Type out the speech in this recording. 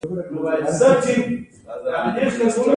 بابک د البانیا یو شهزاده ته پناه یووړه.